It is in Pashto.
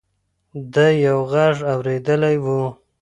ده یو غږ اورېدلی و.